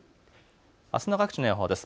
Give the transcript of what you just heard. あすの各地の予報です。